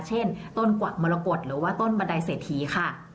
เช่นต้นกวักมรกฏหรือว่าต้นบันไดเศรษฐีค่ะ